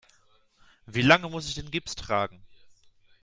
Wie lange muss ich den Gips tragen?